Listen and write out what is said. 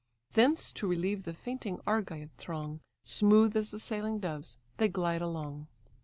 Thence to relieve the fainting Argive throng, Smooth as the sailing doves they glide along.